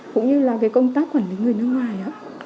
cũng như là công tác quản lý người nước ngoài